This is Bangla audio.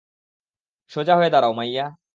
সোজা হয়ে দারাও, মাইয়া!